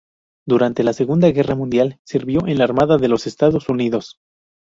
Durante la Segunda Guerra Mundial sirvió en la Armada de los Estados Unidos.